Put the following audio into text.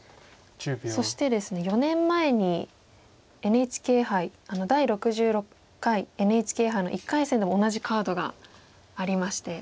そしてですね４年前にＮＨＫ杯第６６回ＮＨＫ杯の１回戦でも同じカードがありまして。